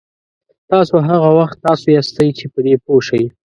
تاسو هغه وخت تاسو یاستئ چې په دې پوه شئ.